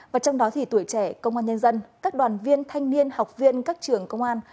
và trong đó thì tuổi trẻ công an nhân dân các đoàn viên thanh niên học viên các trường công an